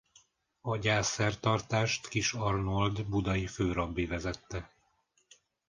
A gyászszertartást Kiss Arnold budai főrabbi vezette.